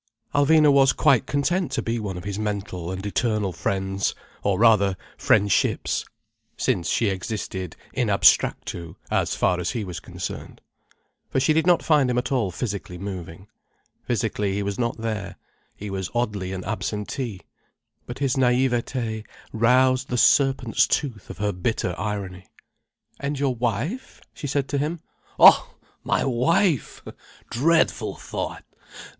Alvina was quite content to be one of his mental and eternal friends, or rather friendships—since she existed in abstractu as far as he was concerned. For she did not find him at all physically moving. Physically he was not there: he was oddly an absentee. But his naïveté roused the serpent's tooth of her bitter irony. "And your wife?" she said to him. "Oh, my wife! Dreadful thought!